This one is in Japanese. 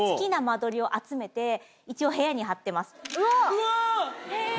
うわ！